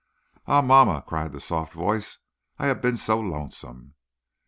"Ah, mamma," cried one soft voice, "I have been so lonesome!"